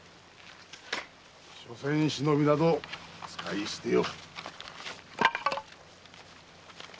しょせん忍びなど使い捨てよ。